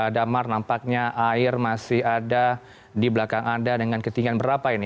damar nampaknya air masih ada di belakang anda dengan ketinggian berapa ini